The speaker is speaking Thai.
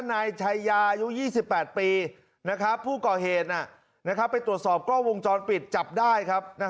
นายชายาอายุ๒๘ปีผู้ก่อเหตุไปตรวจสอบกล้องวงจรปิดจับได้ครับ